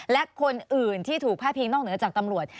และคนอื่นที่ถูกพาดพิงนอกเหนือจากตำรวจ